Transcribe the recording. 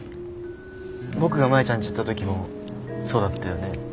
僕がマヤちゃんち行った時もそうだったよね。